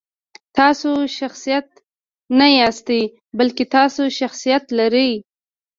تاسو شخصیت نه یاستئ، بلکې تاسو شخصیت لرئ.